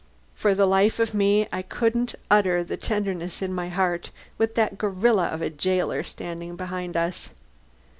For the life of me, I couldn't utter the tenderness in my heart with that gorilla of a jailer standing behind us.